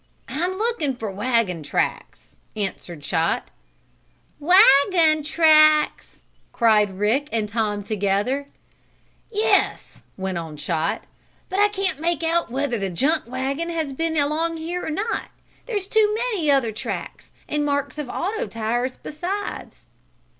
"I'm looking for wagon tracks," answered Chot. "Wagon tracks?" cried Rick and Tom together. "Yes," went on Chot, "but I can't make out whether the junk wagon has been along here or not. There's too many other tracks, and marks of auto tires, besides."